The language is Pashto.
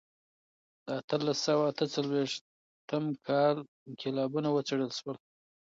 د اتلس سوه اته څلوېښتم کال انقلابونه وڅېړل سول.